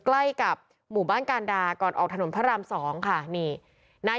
ใกล้กับหมู่บ้านการดาก่อนออกถนนพระรามสองค่ะนี่นาย